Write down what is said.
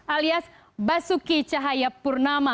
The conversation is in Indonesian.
alias basuki cahaya purnama